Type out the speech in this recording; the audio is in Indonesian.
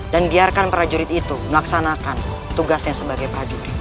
dan biarkan prajurit itu melaksanakan tugasnya sebagai prajurit